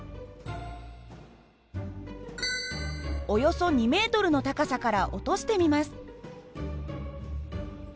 およそ２ｍの高さから落としてみます。